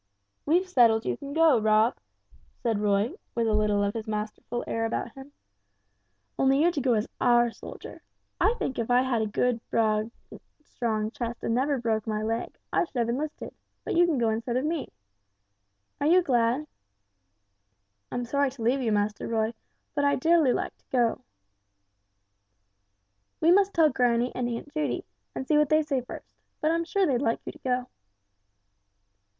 "We've settled you can go, Rob," said Roy, with a little of his masterful air about him; "only you're to go as our soldier. I think if I had had a good, broad, strong chest and never broke my leg, I should have enlisted, but you can go instead of me. Are you glad?" "I'm sorry to leave you, Master Roy, but I'd dearly like to go." "We must tell granny and Aunt Judy, and see what they say first. But I'm sure they'd like you to go."